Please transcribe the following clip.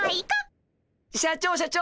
社長社長。